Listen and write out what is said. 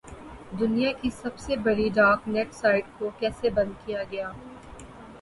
دنیا کی سب سے بڑی ڈارک نیٹ سائٹ کو کیسے بند کیا گیا؟